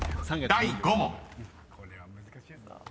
第５問］